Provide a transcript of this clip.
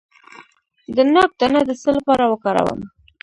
د ناک دانه د څه لپاره وکاروم؟